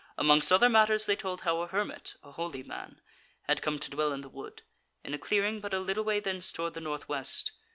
Amongst other matters they told how a hermit, a holy man, had come to dwell in the wood, in a clearing but a little way thence toward the north west.